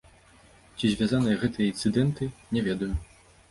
Ці звязаныя гэтыя інцыдэнты, не ведаю.